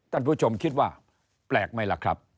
ท่านผู้ชมคิดว่าแปลกไหมล่ะครับ